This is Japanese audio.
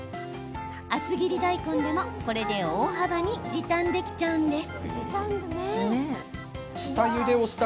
厚切り大根でも、これで大幅に時短できちゃうんです。